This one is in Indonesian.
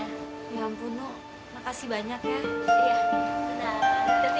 ya ampun makasih banyak ya